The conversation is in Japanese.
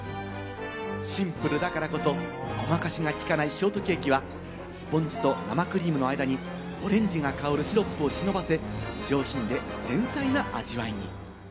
シンプルだからこそ、ごまかしがきかないショートケーキは、スポンジと生クリームの間にオレンジが香るシロップを忍ばせ、上品で繊細な味わいに。